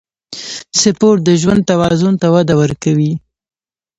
سپورت د ژوند توازن ته وده ورکوي.